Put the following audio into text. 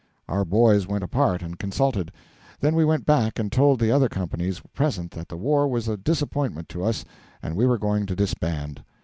Our boys went apart and consulted; then we went back and told the other companies present that the war was a disappointment to us and we were going to disband.